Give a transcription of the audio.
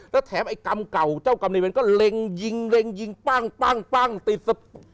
และแถมไอ้กำเก่าเจ้ากำลิเวนก็เล็งยิงเล็งยิงปั้งปั้งปั้งติดสะ